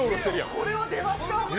これは出ますか！